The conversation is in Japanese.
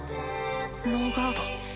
ノーガード。